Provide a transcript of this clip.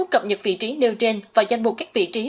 cập nhật vị trí nêu trên và danh mục các vị trí